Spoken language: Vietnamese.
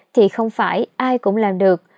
thì không phải ai cũng làm được